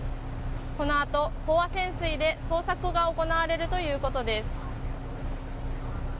このあと、飽和潜水で捜索が行われるということです。